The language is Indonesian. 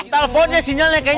cepet pak rt